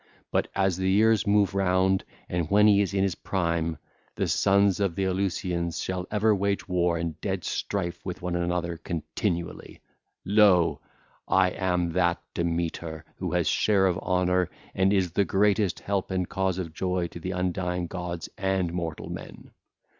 But, as the years move round and when he is in his prime, the sons of the Eleusinians shall ever wage war and dread strife with one another continually. Lo! I am that Demeter who has share of honour and is the greatest help and cause of joy to the undying gods and mortal men.